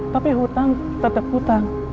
tapi hutang tetap hutang